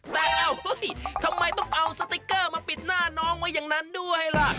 แต่ทำไมต้องเอาสติ๊กเกอร์มาปิดหน้าน้องไว้อย่างนั้นด้วยล่ะ